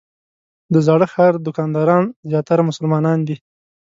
د زاړه ښار دوکانداران زیاتره مسلمانان دي.